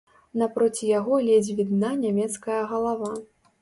Напроці яго ледзь відна нямецкая галава.